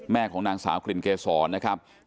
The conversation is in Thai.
แม่ของนางสาวมีลิตรอกระชะงอ่อน